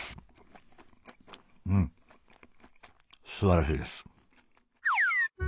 うんすばらしいです。